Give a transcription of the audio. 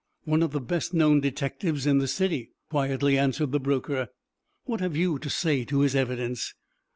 "One of the best known detectives in the city," quietly answered the broker. "What have you to say to his evidence?"